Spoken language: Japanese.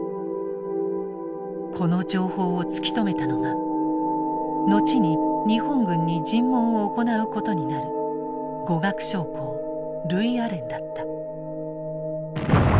この情報を突き止めたのが後に日本軍に尋問を行うことになる語学将校ルイアレンだった。